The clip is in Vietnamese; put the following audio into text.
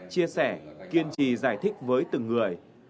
chia sẻ kiên trì giải thích với từng người